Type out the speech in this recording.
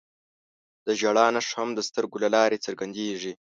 د ژړا نښه هم د سترګو له لارې څرګندېږي